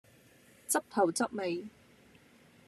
執頭執尾